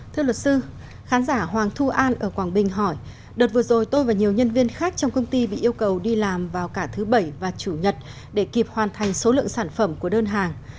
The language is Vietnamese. thưa luật sư khán giả hoàng thu an ở quảng bình hỏi đợt vừa rồi tôi và nhiều nhân viên khác trong công ty bị yêu cầu đi làm vào cả thứ bảy và chủ nhật để kịp hoàn thành số lượng sản phẩm của đơn hàng